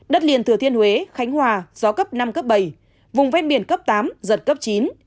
đất liền thừa thiên huế khánh hòa gió cấp năm cấp bảy vùng ven biển cấp tám giật cấp chín